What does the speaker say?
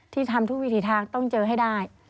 ทำทุกวิถีทางต้องเจอให้ได้